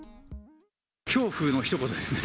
恐怖のひと言ですね。